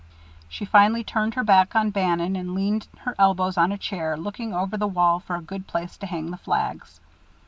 She finally turned her back on Bannon and leaned her elbows on a chair, looking over the wall for a good place to hang the flags.